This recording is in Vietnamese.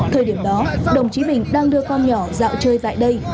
thời điểm đó đồng chí bình đang đưa con nhỏ dạo chơi tại đây